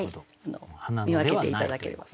見分けて頂ければ。